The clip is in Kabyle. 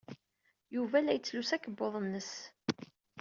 Yuba la yettlusu akebbuḍ-nnes.